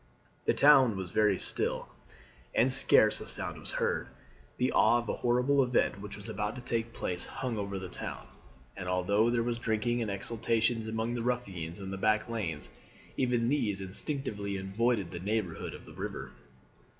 The town was very still and scarce a sound was heard. The awe of the horrible event which was about to take place hung over the town, and although there was drinking and exultations among the ruffians in the back lanes, even these instinctively avoided the neighbourhood of the river.